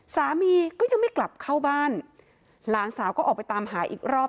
สามีก็ยังไม่กลับเข้าบ้านหลานสาวก็ออกไปตามหาอีกรอบ